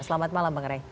selamat malam bang ray